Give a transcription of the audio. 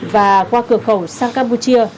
và qua cửa khẩu sang campuchia